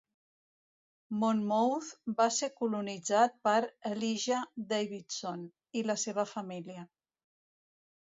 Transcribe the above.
Monmouth va ser colonitzat per Elijah Davidson i la seva família.